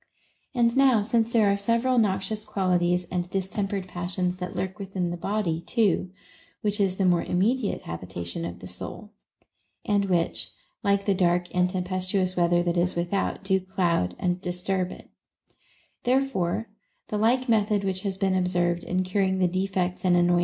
And now, since there are several noxious qualities and distempered passions that lurk within the body too, which is the more immediate habitation of the soul, — and which, like the dark and tempestuous weather that is with out, do cloud and disturb it, — therefore the like method which has been observed in curing the defects and annoy OF INQUISITIVENESS INTO THINGS IMPERTINENT.